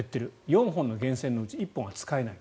４本の源泉のうち１本は使えない。